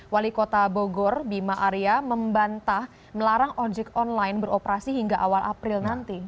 wali kota bogor bima arya membantah melarang ojek online beroperasi hingga awal april nanti